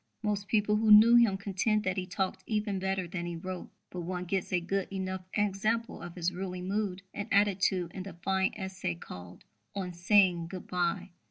Most people who knew him contend that he talked even better than he wrote; but one gets a good enough example of his ruling mood and attitude in the fine essay called _On Saying Good bye.